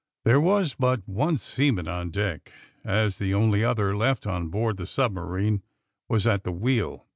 There was but one seaman on deck, as the only other left on board the submarine was at the wheel.